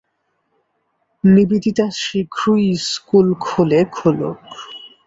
নিবেদিতা শীঘ্রই স্কুল খোলে খুলুক।